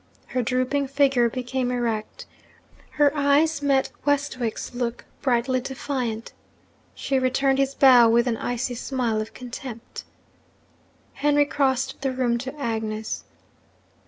Her drooping figure became erect. Her eyes met Westwick's look, brightly defiant. She returned his bow with an icy smile of contempt. Henry crossed the room to Agnes.